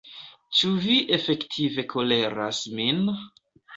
Ĉu vi efektive koleras min?